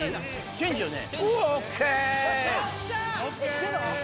チェンジよね？